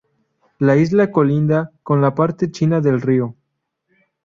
La isla colinda con la parte china del río.